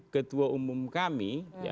ketua umum kami